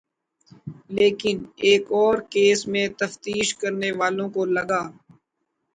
لیکن ایک اور کیس میں تفتیش کرنے والوں کو لگا